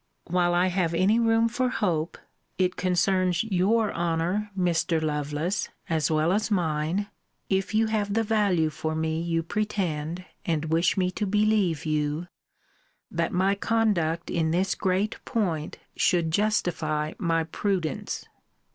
While I have any room for hope, it concerns your honour, Mr. Lovelace, as well as mine, (if you have the value for me you pretend, and wish me to believe you,) that my conduct in this great point should justify my prudence.